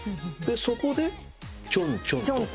そこでちょんちょんと。